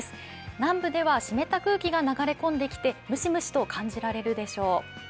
南部では湿った空気が流れ込んできてムシムシと感じられるでしょう。